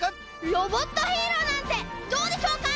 ロボットヒーローなんてどうでしょうか？